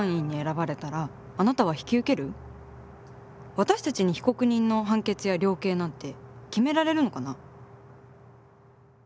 私たちに被告人の判決や量刑なんて決められるのかな？